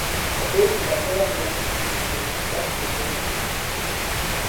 Ɔ̀ bwě kì ɓàkɛgamyɔ̌ŋ nì ɓòt ɓa ǹsòmbo.